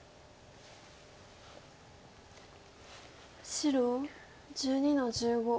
白１２の十五。